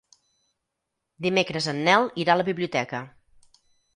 Dimecres en Nel irà a la biblioteca.